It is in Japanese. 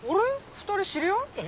２人知り合い？